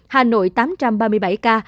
hà nội tám trăm ba mươi bảy ca